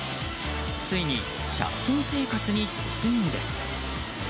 ついに借金生活に突入です。